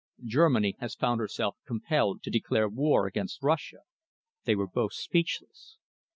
Germany has found herself compelled to declare war against Russia." They were both speechless.